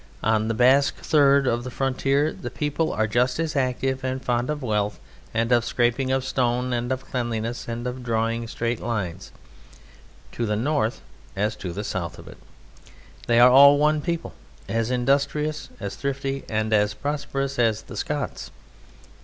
On the Basque third of the frontier the people are just as active and fond of wealth, and of scraping of stone and of cleanliness, and of drawing straight lines, to the north as to the south of it. They are all one people, as industrious, as thrifty, and as prosperous as the Scots.